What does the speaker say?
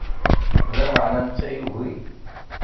Lameɛna, netta yugi.